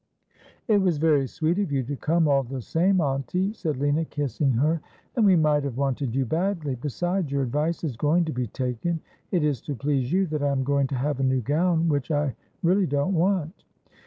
'It was very sweet of you to come all the same, auntie,' said Lina, kissing her, ' and we might have wanted you badly. Besides, your advice is going to be taken. It is to please you that I am going to have a new gown — which I really don't want.'